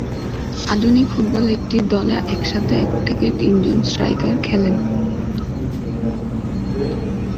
আধুনিক ফুটবলে একটি দলে একসাথে এক থেকে তিনজন স্ট্রাইকার খেলেন।